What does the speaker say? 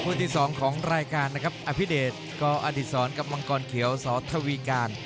ที่๒ของรายการนะครับอภิเดชกอดิษรกับมังกรเขียวสอทวีการ